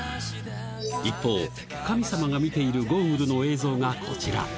一方、神様が見ているゴーグルの映像がこちら。